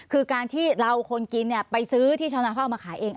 คือการที่เราคนกินไปซื้อที่ชาวนาเขาเอามาขายเอง